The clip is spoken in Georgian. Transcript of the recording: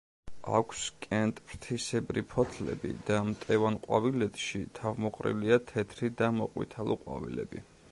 აქვს კენტფრთისებრი ფოთლები და მტევან ყვავილედში თავმოყრილი თეთრი ან მოყვითალო ყვავილები.